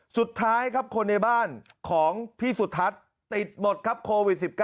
สุดท้ายครับคนในบ้านของพี่สุทัศน์ติดหมดครับโควิด๑๙